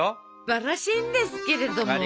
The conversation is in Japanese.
すっばらしいんですけれども。